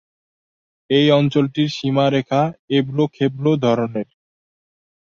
এই অঞ্চলটির সীমারেখা এবড়ো-খেবড়ো ধরনের।